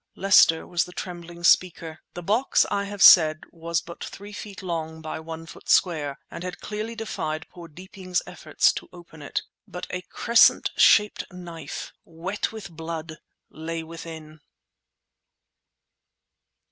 Lester was the trembling speaker. The box, I have said, was but three feet long by one foot square, and had clearly defied poor Deeping's efforts to open it. But a crescent shaped knife, wet with blood, lay within!